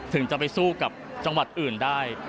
ถึงจะไปสู้กับจังหวัดอื่นได้